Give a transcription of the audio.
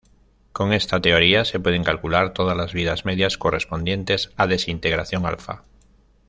Con esta teoría se pueden calcular todas las vidas medias correspondientes a desintegración alfa.